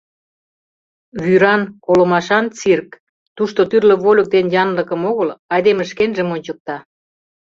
Вӱран, колымашан цирк, тушто тӱрлӧ вольык ден янлыкым огыл, айдеме шкенжым ончыкта.